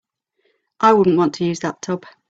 I wouldn't want to use that tub.